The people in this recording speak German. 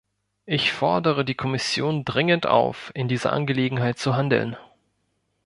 Ich fordere die Kommission dringend auf, in dieser Angelegenheit zu handeln.